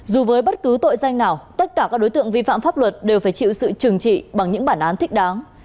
dù với bất cứ tội danh nào tất cả các đối tượng vi phạm pháp luật đều phải chịu sự trừng trị bằng những bản án thích đáng